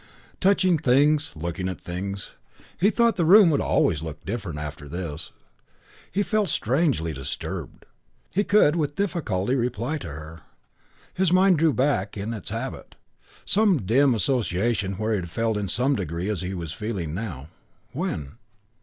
Touching things, looking at things.... He thought the room would always look different after this. He felt strangely disturbed. He could with difficulty reply to her. His mind threw back, in its habit, to some dim occasion when he had felt in some degree as he was feeling now. When?